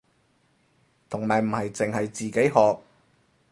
同埋唔係淨係自己學